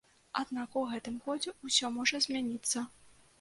Аднак у гэтым годзе ўсё можа змяніцца.